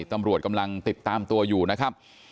ตำรวจกำลังติดตามตัวอยู่นะครับ